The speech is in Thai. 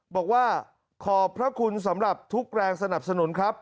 บอกว่าขอบพระคุณสำหรับทุกแรงสนับสนุนครับ